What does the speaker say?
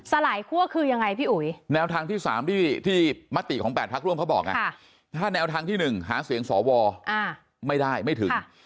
ลายคั่วคือยังไงพี่อุ๋ยแนวทางที่๓ที่มติของ๘พักร่วมเขาบอกไงถ้าแนวทางที่๑หาเสียงสวไม่ได้ไม่ถึง